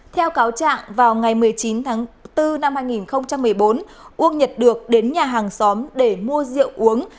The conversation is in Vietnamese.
theo cáo trạng vào ngày một mươi chín tháng bốn năm hai nghìn một mươi bốn uông nhật được đến nhà hàng xóm để mua rượu uống